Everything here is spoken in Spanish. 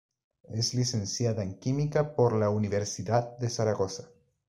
Es licenciada en Química por la Universidad de Zaragoza.